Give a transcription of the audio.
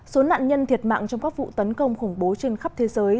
số nạn nhân thiệt mạng trong các vụ tấn công khủng bố trên khắp thế giới